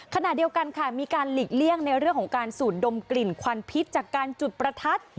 ขณะเดียวกันค่ะมีการหลีกเลี่ยงในเรื่องของการสูดดมกลิ่นควันพิษจากการจุดประทัด